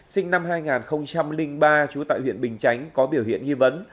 sinh năm hai nghìn ba trú tại huyện bình chánh có biểu hiện nghi vấn